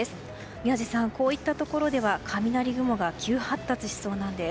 宮司さん、こういったところでは雷雲が急発達しそうなんです。